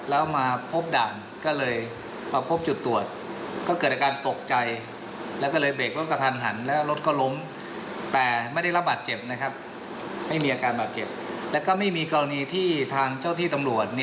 และไม่มีกรณีที่ทางเจ้าที่ตำรวจ